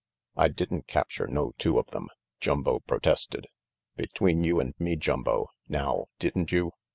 "I didn't capture no two Q{ them," Jumbo pro tested. "Between you and me, Jumbo, now didn't you?